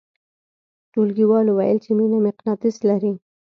ټولګیوالو ویل چې مینه مقناطیس لري